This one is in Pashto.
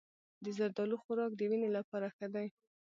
د زردالو خوراک د وینې لپاره ښه دی.